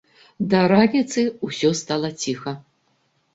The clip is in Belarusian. Да раніцы ўсё стала ціха.